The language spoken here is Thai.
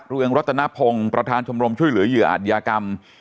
เรืองรัตนพงศ์ประธานชมรมช่วยเหลือเหยื่ออาจยากรรม